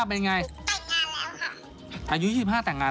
ปัจจุบันทำงานคือเล่นหุดไม่ต้องกลัว